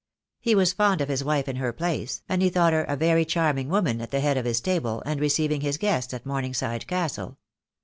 He was fond of his wife in her place, and he thought her a very charming woman at the head of his table, and receiving his guests at Morningside Castle.